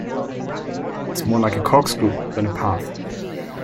It’s more like a corkscrew than a path!